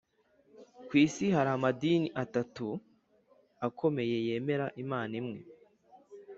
ku isi hari amadini atatu akomeye yemera imana imwe